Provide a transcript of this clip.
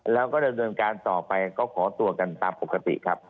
แล้วก็ดำเนินการต่อไปก็ขอตัวกันตามปกติครับ